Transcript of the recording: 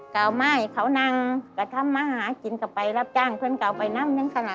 ก็เอามาให้เขานั่งกระทำมาหากินกลับไปรับจ้างเพื่อนเก่าไปนั่งนั่งค่ะ